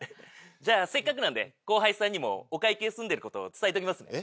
じゃあせっかくなんで後輩さんにもお会計済んでることを伝えときますね。